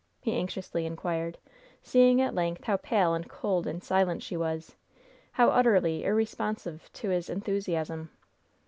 he anxiously inquired, seeing at length how pale and cold and silent she was how utterly irresponsive to his enthusiasm.